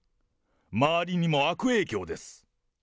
周りにも悪影響です。